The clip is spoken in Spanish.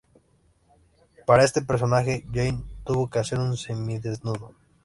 Para este personaje Jane tuvo que hacer un semidesnudo.